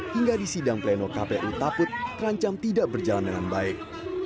hingga di sidang pleno kpu takut terancam tidak berjalan dengan baik